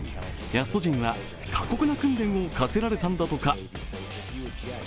キャスト陣は、過酷な訓練を課せられたんだとか。